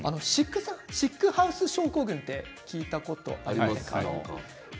シックハウス症候群って聞いたことありますよね。